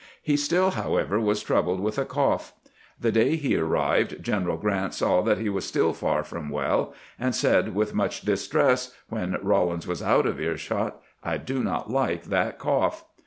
He still, however, was troubled with a cough. The day he arrived General Grant saw that he was still far from well, and said with much dis tress, when Rawlins was out of earshot, " I do not like that cough."